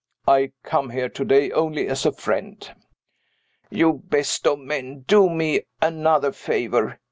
I come here to day only as a friend." "You best of men! Do me another favor.